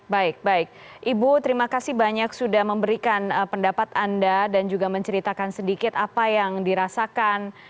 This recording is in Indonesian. baik baik ibu terima kasih banyak sudah memberikan pendapat anda dan juga menceritakan sedikit apa yang dirasakan